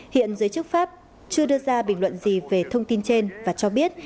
hiện giới chức pháp chưa đưa ra bình luận gì về thông tin trên và cho biết